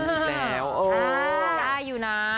๓อีกแล้วอ่าต้องได้อยู่นะ